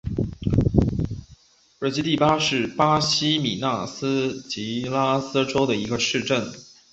热基蒂巴是巴西米纳斯吉拉斯州的一个市镇。